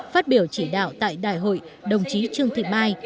phát biểu chỉ đạo tại đại hội đồng chí trương thị mai